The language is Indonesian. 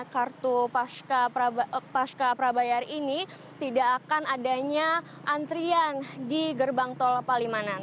kartu pasca prabayar ini tidak akan adanya antrian di gerbang tol palimanan